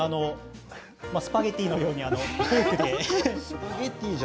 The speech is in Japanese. スパゲッティのようにフォークで。